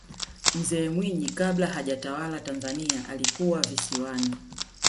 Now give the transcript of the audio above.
mzee mwinyi kabla hajatawala tanzania alikuwa visiwani